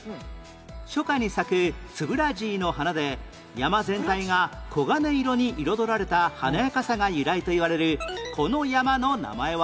初夏に咲くツブラジイの花で山全体が黄金色に彩られた華やかさが由来といわれるこの山の名前は？